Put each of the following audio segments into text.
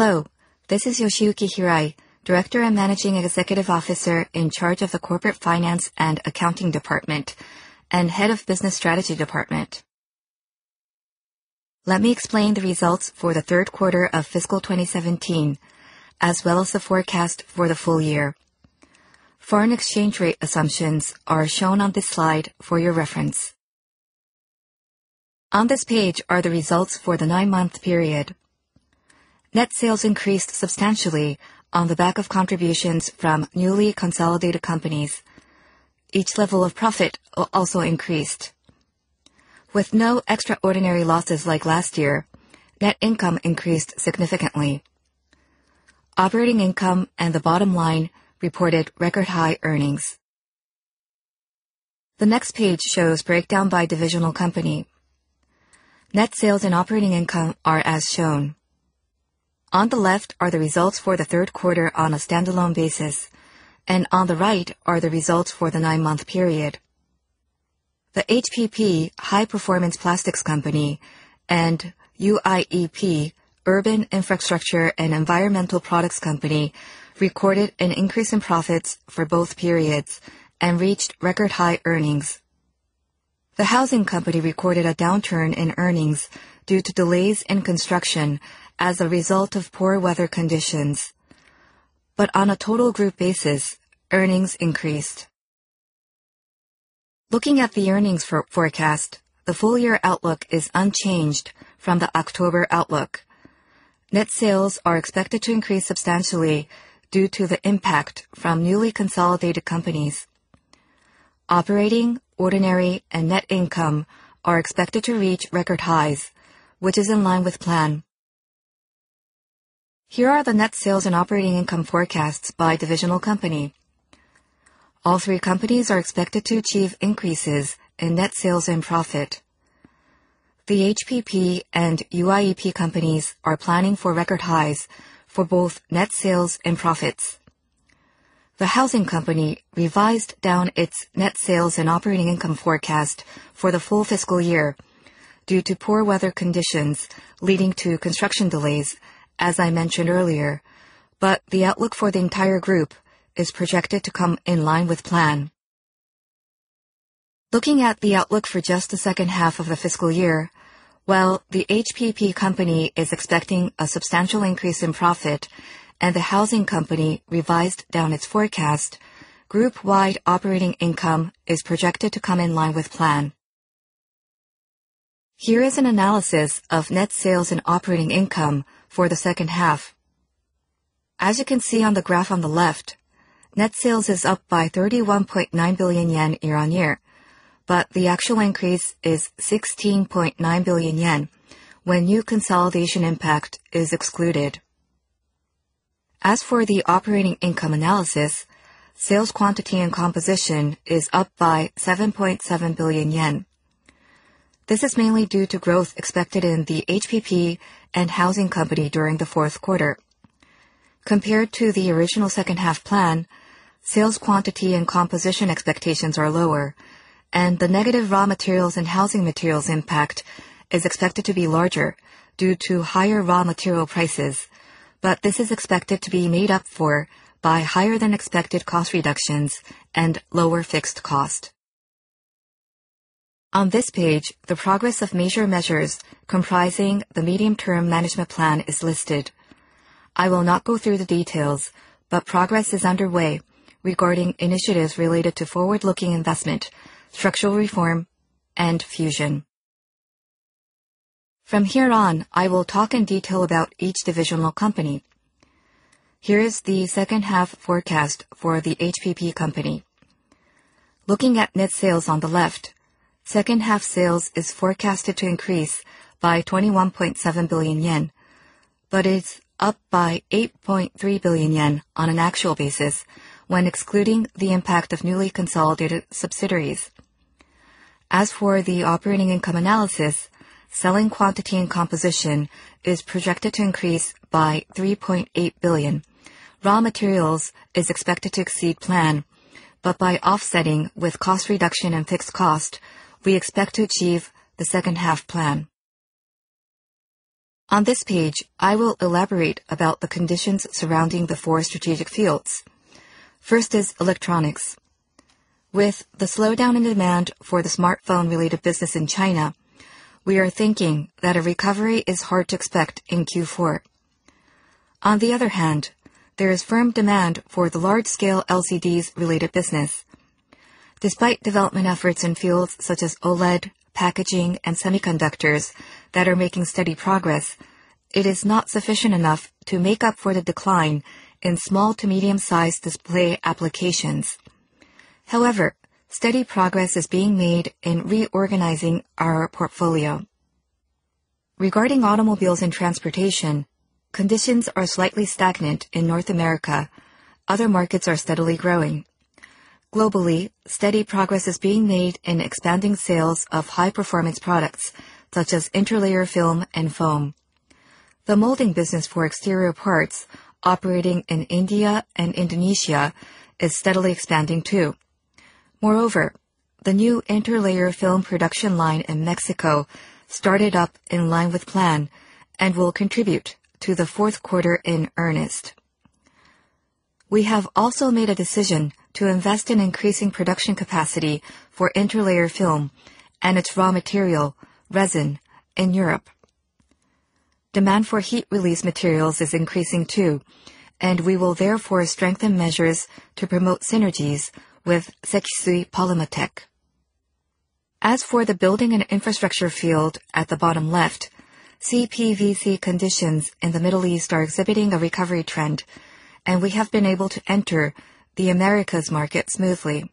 Hello, this is Yoshiyuki Hirai, Director and Managing Executive Officer in charge of the Corporate Finance and Accounting Department and Head of Business Strategy Department. Let me explain the results for the third quarter of fiscal 2017, as well as the forecast for the full year. Foreign exchange rate assumptions are shown on this slide for your reference. On this page are the results for the nine-month period. Net sales increased substantially on the back of contributions from newly consolidated companies. Each level of profit also increased. With no extraordinary losses like last year, net income increased significantly. Operating income and the bottom line reported record-high earnings. The next page shows breakdown by divisional company. Net sales and operating income are as shown. On the left are the results for the third quarter on a standalone basis, and on the right are the results for the nine-month period. The HPP, High Performance Plastics Company, and UIEP, Urban Infrastructure and Environmental Products Company, recorded an increase in profits for both periods and reached record-high earnings. The Housing Company recorded a downturn in earnings due to delays in construction as a result of poor weather conditions, but on a total group basis, earnings increased. Looking at the earnings forecast, the full-year outlook is unchanged from the October outlook. Net sales are expected to increase substantially due to the impact from newly consolidated companies. Operating, ordinary, and net income are expected to reach record highs, which is in line with plan. Here are the net sales and operating income forecasts by divisional company. All three companies are expected to achieve increases in net sales and profit. The HPP and UIEP companies are planning for record highs for both net sales and profits. The Housing Company revised down its net sales and operating income forecast for the full fiscal year due to poor weather conditions leading to construction delays, as I mentioned earlier, the outlook for the entire group is projected to come in line with plan. Looking at the outlook for just the second half of the fiscal year, while the HPP company is expecting a substantial increase in profit and the Housing Company revised down its forecast, group-wide operating income is projected to come in line with plan. Here is an analysis of net sales and operating income for the second half. As you can see on the graph on the left, net sales is up by 31.9 billion yen year-on-year, the actual increase is 16.9 billion yen when new consolidation impact is excluded. As for the operating income analysis, sales quantity and composition is up by 7.7 billion yen. This is mainly due to growth expected in the HPP and Housing Company during the fourth quarter. Compared to the original second half plan, sales quantity and composition expectations are lower, and the negative raw materials and housing materials impact is expected to be larger due to higher raw material prices. This is expected to be made up for by higher than expected cost reductions and lower fixed cost. On this page, the progress of major measures comprising the medium-term management plan is listed. I will not go through the details, progress is underway regarding initiatives related to forward-looking investment, structural reform, and fusion. From here on, I will talk in detail about each divisional company. Here is the second half forecast for the HPP company. Looking at net sales on the left, second half sales is forecasted to increase by 21.7 billion yen, but is up by 8.3 billion yen on an actual basis when excluding the impact of newly consolidated subsidiaries. As for the operating income analysis, selling quantity and composition is projected to increase by 3.8 billion. Raw materials is expected to exceed plan, but by offsetting with cost reduction and fixed cost, we expect to achieve the second half plan. On this page, I will elaborate about the conditions surrounding the four strategic fields. First is electronics. With the slowdown in demand for the smartphone-related business in China, we are thinking that a recovery is hard to expect in Q4. On the other hand, there is firm demand for the large-scale LCDs-related business. Despite development efforts in fields such as OLED, packaging, and semiconductors that are making steady progress, it is not sufficient enough to make up for the decline in small to medium-sized display applications. However, steady progress is being made in reorganizing our portfolio. Regarding automobiles and transportation, conditions are slightly stagnant in North America. Other markets are steadily growing. Globally, steady progress is being made in expanding sales of high-performance products such as interlayer film and foam. The molding business for exterior parts operating in India and Indonesia is steadily expanding too. Moreover, the new interlayer film production line in Mexico started up in line with plan and will contribute to the fourth quarter in earnest. We have also made a decision to invest in increasing production capacity for interlayer film and its raw material, resin, in Europe. Demand for heat release materials is increasing too, and we will therefore strengthen measures to promote synergies with Sekisui Polymatech. As for the building and infrastructure field at the bottom left, CPVC conditions in the Middle East are exhibiting a recovery trend, and we have been able to enter the Americas market smoothly.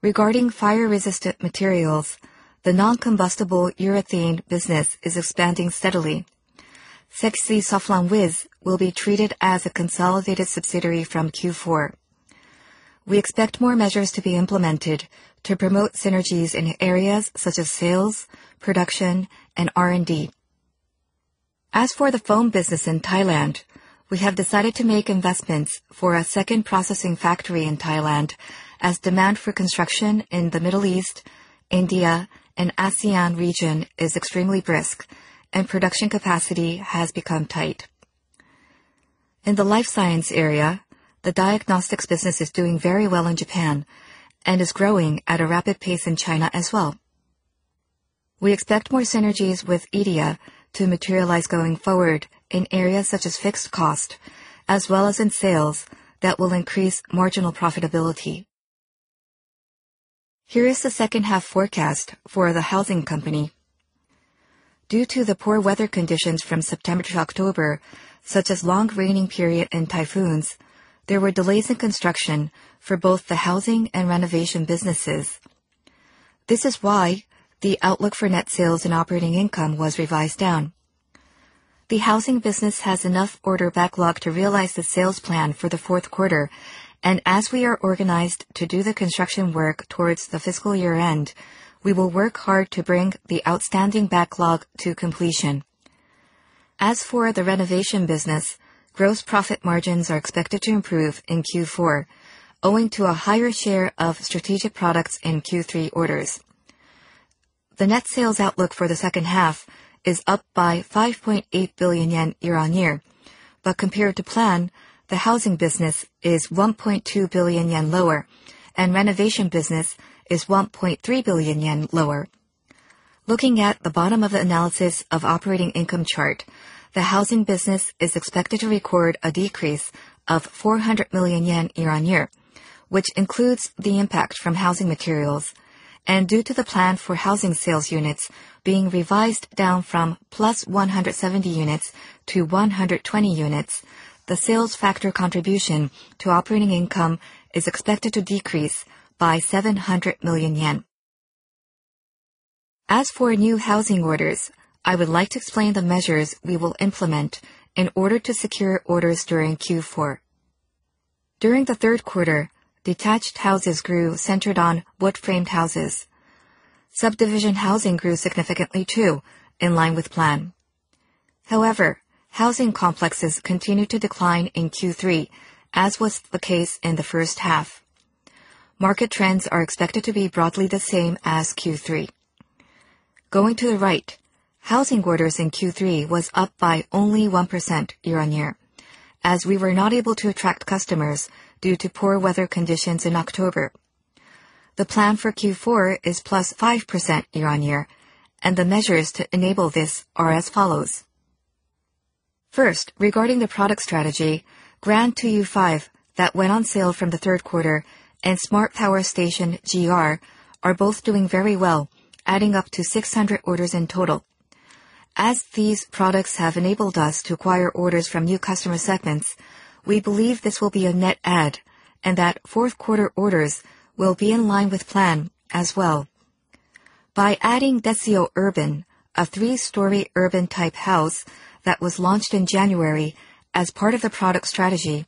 Regarding fire-resistant materials, the non-combustible urethane business is expanding steadily. Sekisui Soflan Wiz will be treated as a consolidated subsidiary from Q4. We expect more measures to be implemented to promote synergies in areas such as sales, production, and R&D. As for the foam business in Thailand, we have decided to make investments for a second processing factory in Thailand as demand for construction in the Middle East, India, and ASEAN region is extremely brisk and production capacity has become tight. In the life science area, the diagnostics business is doing very well in Japan and is growing at a rapid pace in China as well. We expect more synergies with EIDIA to materialize going forward in areas such as fixed cost, as well as in sales that will increase marginal profitability. Here is the second half forecast for the Housing Company. Due to the poor weather conditions from September to October, such as long raining period and typhoons, there were delays in construction for both the housing and renovation businesses. This is why the outlook for net sales and operating income was revised down. The housing business has enough order backlog to realize the sales plan for the fourth quarter, and as we are organized to do the construction work towards the fiscal year-end, we will work hard to bring the outstanding backlog to completion. As for the renovation business, gross profit margins are expected to improve in Q4, owing to a higher share of strategic products in Q3 orders. The net sales outlook for the second half is up by 5.8 billion yen year-on-year. Compared to plan, the Housing Company is 1.2 billion yen lower, and renovation business is 1.3 billion yen lower. Looking at the bottom of the analysis of operating income chart, the Housing Company is expected to record a decrease of 400 million yen year-on-year, which includes the impact from housing materials. Due to the plan for housing sales units being revised down from +170 units to 120 units, the sales factor contribution to operating income is expected to decrease by 700 million yen. As for new housing orders, I would like to explain the measures we will implement in order to secure orders during Q4. During the third quarter, detached houses grew centered on wood-framed houses. Subdivision housing grew significantly too, in line with plan. However, housing complexes continued to decline in Q3, as was the case in the first half. Market trends are expected to be broadly the same as Q3. Going to the right, housing orders in Q3 was up by only 1% year-on-year, as we were not able to attract customers due to poor weather conditions in October. The plan for Q4 is +5% year-on-year, and the measures to enable this are as follows. First, regarding the product strategy, GRAND TO YOU V, that went on sale from the third quarter, and Smart Power Station GR are both doing very well, adding up to 600 orders in total. As these products have enabled us to acquire orders from new customer segments, we believe this will be a net add and that fourth quarter orders will be in line with plan as well. By adding DESIO Urban, a three-story urban-type house that was launched in January as part of the product strategy,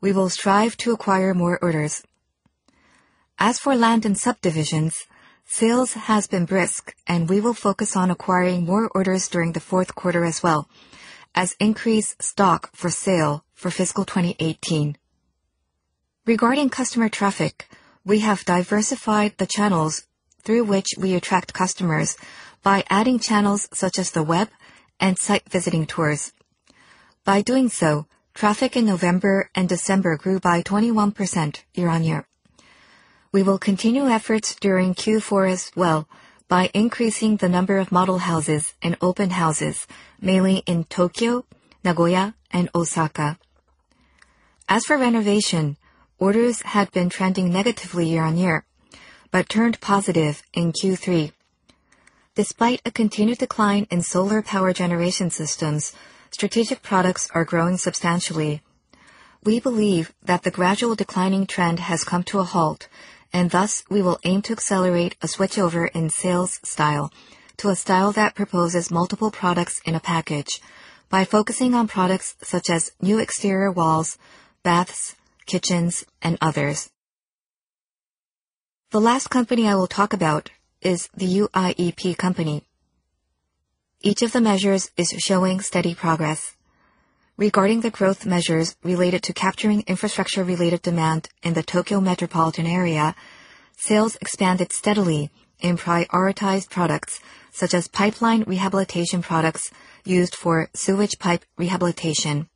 we will strive to acquire more orders. As for land and subdivisions, sales has been brisk, and we will focus on acquiring more orders during the fourth quarter as well as increase stock for sale for FY 2018. Regarding customer traffic, we have diversified the channels through which we attract customers by adding channels such as the web and site visiting tours. By doing so, traffic in November and December grew by 21% year-on-year. We will continue efforts during Q4 as well by increasing the number of model houses and open houses, mainly in Tokyo, Nagoya, and Osaka. As for renovation, orders had been trending negatively year-on-year, but turned positive in Q3. Despite a continued decline in solar power generation systems, strategic products are growing substantially. We believe that the gradual declining trend has come to a halt, and thus we will aim to accelerate a switchover in sales style to a style that proposes multiple products in a package by focusing on products such as new exterior walls, baths, kitchens, and others. The last company I will talk about is the UIEP Company. Each of the measures is showing steady progress. Regarding the growth measures related to capturing infrastructure-related demand in the Tokyo metropolitan area, sales expanded steadily in prioritized products such as pipeline rehabilitation products used for sewage pipe rehabilitation.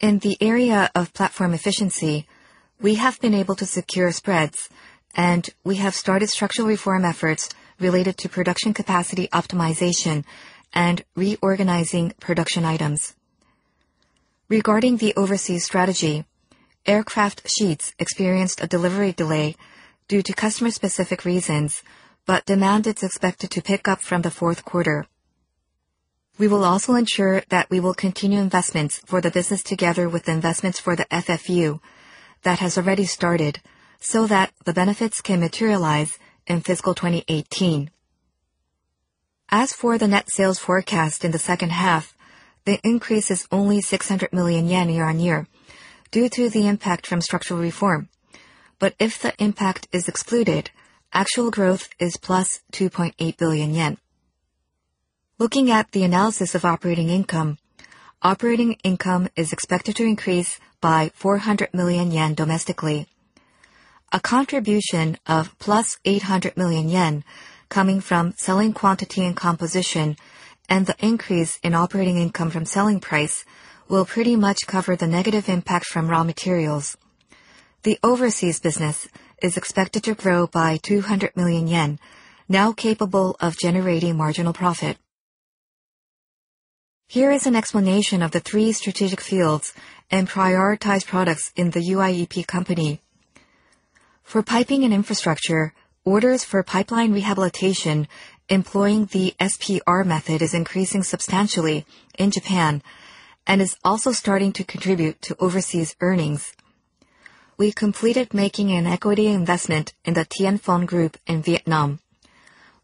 In the area of platform efficiency, we have been able to secure spreads. We have started structural reform efforts related to production capacity optimization and reorganizing production items. Regarding the overseas strategy, aircraft sheets experienced a delivery delay due to customer-specific reasons, demand is expected to pick up from the fourth quarter. We will also ensure that we will continue investments for the business together with investments for the FFU that has already started so that the benefits can materialize in fiscal 2018. As for the net sales forecast in the second half, the increase is only 600 million yen year-on-year due to the impact from structural reform. If the impact is excluded, actual growth is +2.8 billion yen. Looking at the analysis of operating income, operating income is expected to increase by 400 million yen domestically. A contribution of +800 million yen coming from selling quantity and composition, the increase in operating income from selling price will pretty much cover the negative impact from raw materials. The overseas business is expected to grow by 200 million yen, now capable of generating marginal profit. Here is an explanation of the three strategic fields and prioritized products in the UIEP Company. For piping and infrastructure, orders for pipeline rehabilitation employing the SPR method is increasing substantially in Japan and is also starting to contribute to overseas earnings. We completed making an equity investment in the Tien Phong Group in Vietnam.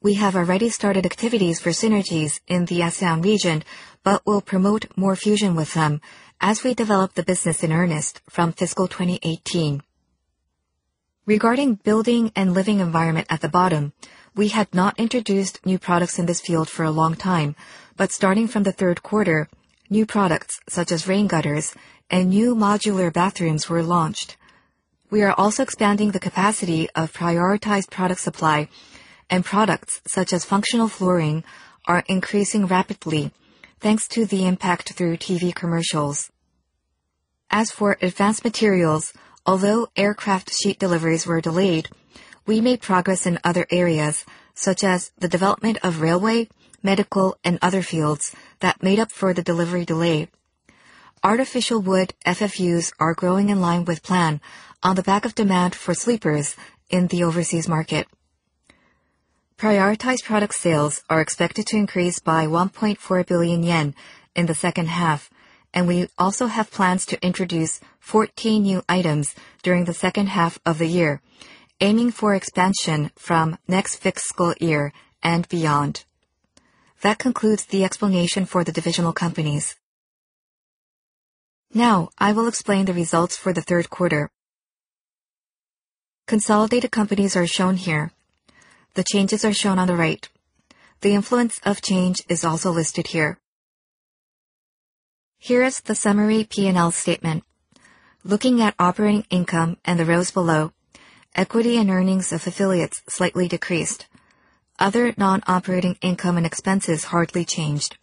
We have already started activities for synergies in the ASEAN region but will promote more fusion with them as we develop the business in earnest from fiscal 2018. Regarding building and living environment at the bottom, we had not introduced new products in this field for a long time, starting from the third quarter, new products such as rain gutters and new modular bathrooms were launched. We are also expanding the capacity of prioritized product supply and products such as functional flooring are increasing rapidly, thanks to the impact through TV commercials. As for advanced materials, although aircraft sheet deliveries were delayed, we made progress in other areas such as the development of railway, medical, and other fields that made up for the delivery delay. Artificial wood FFUs are growing in line with plan on the back of demand for sleepers in the overseas market. Prioritized product sales are expected to increase by 1.4 billion yen in the second half. We also have plans to introduce 14 new items during the second half of the year, aiming for expansion from next fiscal year and beyond. That concludes the explanation for the divisional companies. Now, I will explain the results for the third quarter. Consolidated companies are shown here. The changes are shown on the right. The influence of change is also listed here. Here is the summary P&L statement. Looking at operating income and the rows below, equity and earnings of affiliates slightly decreased. Other non-operating income and expenses hardly changed.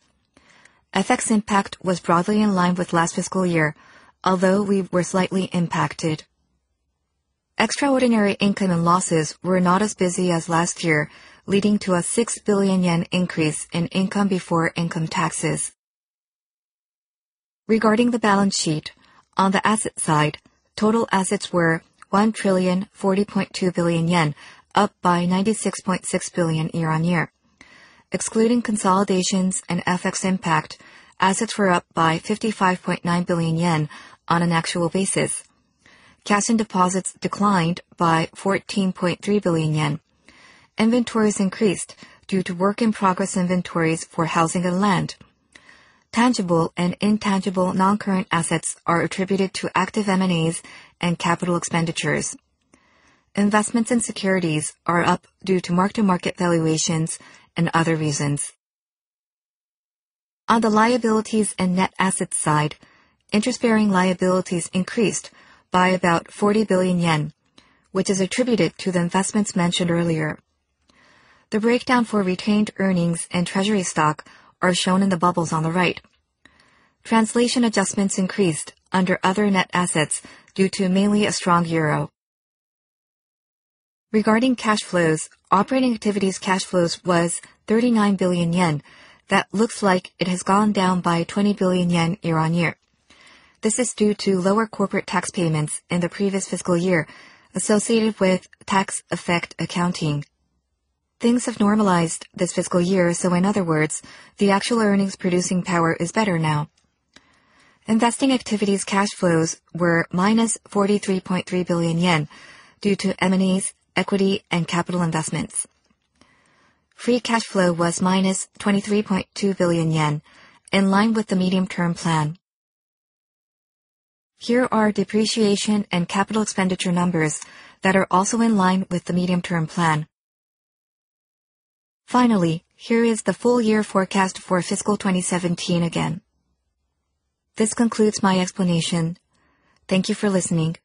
FX impact was broadly in line with last fiscal year, although we were slightly impacted. Extraordinary income and losses were not as busy as last year, leading to a 6 billion yen increase in income before income taxes. Regarding the balance sheet, on the asset side, total assets were 1,040.2 billion yen, up by 96.6 billion year-over-year. Excluding consolidations and FX impact, assets were up by 55.9 billion yen on an actual basis. Cash and deposits declined by 14.3 billion yen. Inventories increased due to work in progress inventories for housing and land. Tangible and intangible non-current assets are attributed to active M&As and capital expenditures. Investments in securities are up due to mark-to-market valuations and other reasons. On the liabilities and net assets side, interest-bearing liabilities increased by about 40 billion yen, which is attributed to the investments mentioned earlier. The breakdown for retained earnings and treasury stock are shown in the bubbles on the right. Translation adjustments increased under other net assets due to mainly a strong euro. Regarding cash flows, operating activities cash flows was 39 billion yen. That looks like it has gone down by 20 billion yen year-over-year. This is due to lower corporate tax payments in the previous fiscal year associated with tax effect accounting. Things have normalized this fiscal year, so in other words, the actual earnings-producing power is better now. Investing activities cash flows were minus 43.3 billion yen due to M&As, equity, and capital investments. Free cash flow was minus 23.2 billion yen, in line with the medium-term plan. Here are depreciation and capital expenditure numbers that are also in line with the medium-term plan. Finally, here is the full-year forecast for fiscal 2017 again. This concludes my explanation. Thank you for listening.